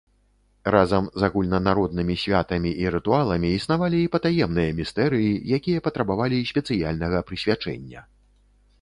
Разам з агульнанароднымі святамі і рытуаламі існавалі і патаемныя містэрыі, якія патрабавалі спецыяльнага прысвячэння.